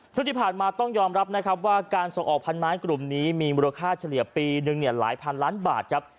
ซึ่งที่ผ่านมาต้องยอมรับนะครับว่าการส่งออกพันไม้กลุ่มนี้มีมูลค่าเฉลี่ยปีหนึ่งหลายพันล้านบาทครับ